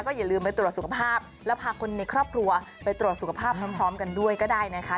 อย่าลืมไปตรวจสุขภาพแล้วพาคนในครอบครัวไปตรวจสุขภาพพร้อมกันด้วยก็ได้นะคะ